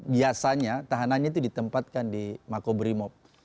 biasanya tahanannya itu ditempatkan di mako beri mob